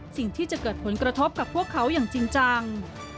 สิ่งที่จะเกิดผลกระทบกับพวกเขาอย่างจริงจัง